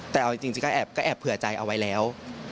แต่เอาจริงก็แอบเผื่อใจเอาไว้แล้ว